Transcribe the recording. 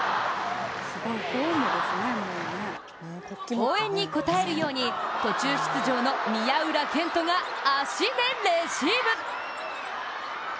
応援に応えるように、途中出場の宮浦健人が足でレシーブ。